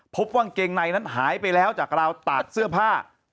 พบว่ากางเกงในนั้นหายไปแล้วจากราวตากเสื้อผ้า